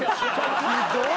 ひどい。